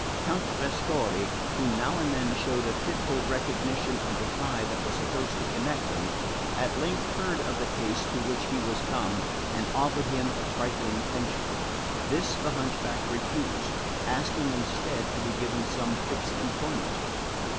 Count Trescorre, who now and then showed a fitful recognition of the tie that was supposed to connect them, at length heard of the case to which he was come and offered him a trifling pension. This the hunchback refused, asking instead to be given some fixed employment.